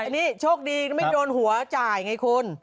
อันนี้โชคดีไม่โดนหัวจ่ายไงคุณ